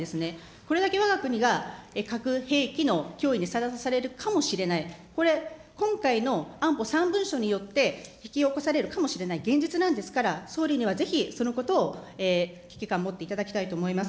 これだけわが国が核兵器の脅威にさらされるかもしれない、これ、今回の安保３文書によって、引き起こされるかもしれない現実なんですから、総理にはぜひそのことを危機感持っていただきたいと思います。